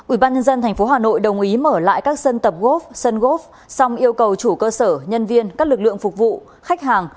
ubnd tp hà nội đồng ý mở lại các sân tập gốc sân góp song yêu cầu chủ cơ sở nhân viên các lực lượng phục vụ khách hàng